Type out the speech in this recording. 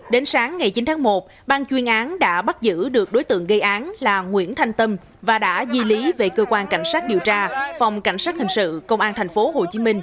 đến sáng ngày chín tháng một bang chuyên án đã bắt giữ được đối tượng gây án là nguyễn thanh tâm và đã di lý về cơ quan cảnh sát điều tra phòng cảnh sát hình sự công an tp hcm